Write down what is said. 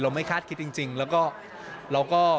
เราไม่คาดคิดจริงแล้วก็